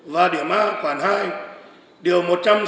và địa mơ khoản hai điều một trăm sáu mươi bốn